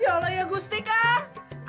yalah ya gusti kang